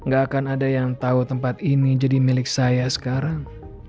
gak akan ada yang tahu tempat ini jadi milik saya sekarang